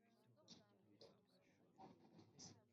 abayobozi b inzego za leta zibifitemo inyungu